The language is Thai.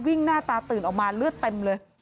หน้าตาตื่นออกมาเลือดเต็มเลย